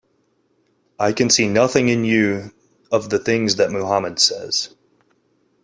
I can see nothing in you of the things that Muhammad says.